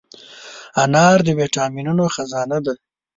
انار د ویټامینونو خزانه ده.